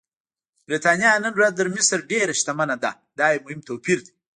برېټانیا نن ورځ تر مصر ډېره شتمنه ده، دا یو مهم توپیر دی.